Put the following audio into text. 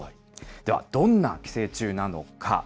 では、どんな寄生虫なのか。